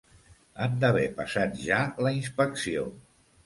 Han d'haver passat ja la inspecció.